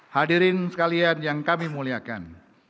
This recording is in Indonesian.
hadirin sekalian yang kami muliakan